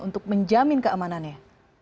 untuk menjamin keamanannya